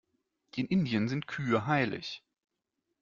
In Indien sind Kühe heilig.